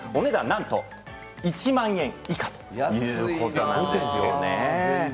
なんと１万円以下ということなんですね。